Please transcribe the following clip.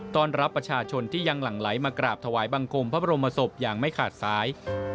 ต้อนรับประชาชนที่ยังหลั่งไหลมากราบถวายบังคมพระบรมศพอย่างไม่ขาดสาย